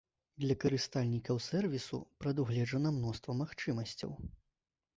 Для карыстальнікаў сэрвісу прадугледжана мноства магчымасцяў.